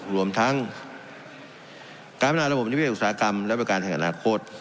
รวมทั้งการพัฒนาระบบนิเศษอุตสาหกรรมและประการแห่งอนาคต